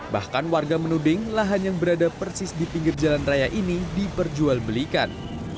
bahkan warga menuding lahan yang berada persis di pinggir jalan raya ini diperjualbelikan